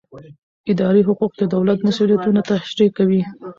اداري حقوق د دولت مسوولیتونه تشریح کوي.